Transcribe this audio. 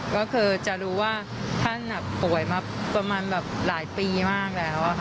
ก็คือจะรู้ว่าท่านป่วยมาประมาณแบบหลายปีมากแล้วค่ะ